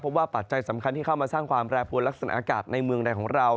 เพราะว่าปัจจัยสำคัญที่เข้ามาสร้างความแปรปวนลักษณะอากาศในเมืองใดของเรา